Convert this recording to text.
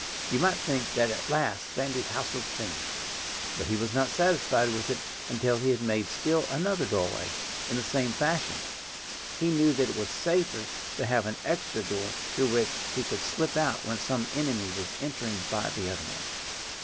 You might think that at last Sandy's house was finished. But he was not satisfied with it until he had made still another doorway, in the same fashion. He knew that it was safer to have an extra door through which he could slip out when some enemy was entering by the other one.